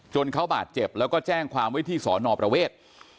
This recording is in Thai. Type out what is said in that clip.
เขาบาดเจ็บแล้วก็แจ้งความไว้ที่สอนอประเวท